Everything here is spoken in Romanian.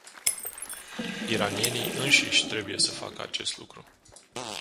Iranienii înșiși trebuie să facă acest lucru.